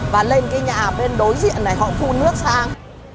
và lên cái nhà bên đối diện này họ phun nước sang